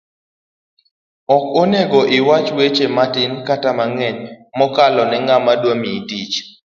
ok onego iwach weche matin kata mang'eny mokalo ne ng'ama dwamiyi tich